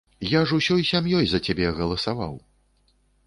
Я ж усёй сям'ёй за цябе галасаваў.